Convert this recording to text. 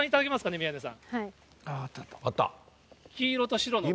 宮根さん。